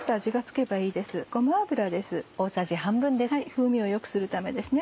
風味を良くするためですね。